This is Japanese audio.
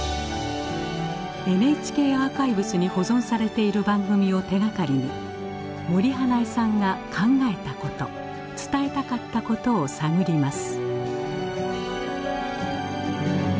「ＮＨＫアーカイブス」に保存されている番組を手がかりに森英恵さんが考えたこと伝えたかったことを探ります